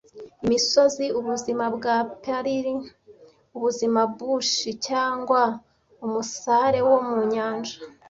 Imisozi? ubuzima bwa prairie, ubuzima-bush? cyangwa umusare wo mu nyanja?